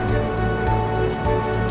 takut hujan sual